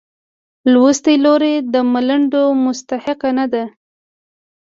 لوستې لور د ملنډو مستحقه نه ده.